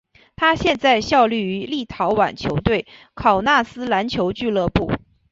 他现在效力于立陶宛球队考纳斯篮球俱乐部。